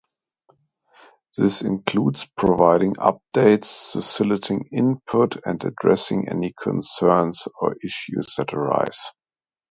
This includes providing updates, soliciting input, and addressing any concerns or issues that arise.